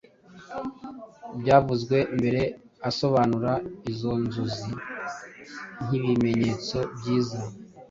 byavuzwe mbere asobanura izo nzozi nkibimenyetso byiza